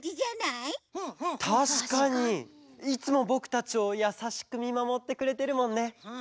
いつもぼくたちをやさしくみまもってくれてるもんね。